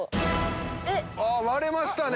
割れましたね！